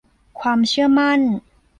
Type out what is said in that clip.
ความเชื่อมั่น